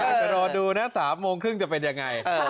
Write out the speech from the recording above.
อยากจะรอดูน่ะสามโมงครึ่งจะเป็นยังไงเออ